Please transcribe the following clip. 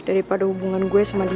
daripada hubungan gue sama dia